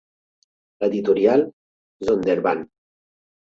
Editorial Zondervan.